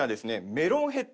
メロンヘッド。